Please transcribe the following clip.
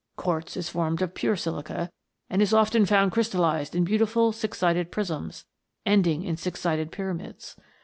Quartz is formed of pure silica, and is often found crystallized in beautiful six sided prisms, ending in six sided pyramids.